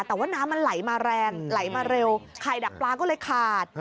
แต่ว่าน้ำมันไหลมาแรงไหลมาเร็วไข่ดักปลาก็เลยขาด